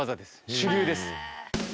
主流です。